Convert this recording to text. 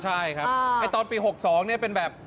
ใช่ครับตอนปี๖๒เนี่ยเป็นแบบ